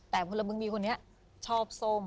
แต่เขาต้องหรือชอบส้ม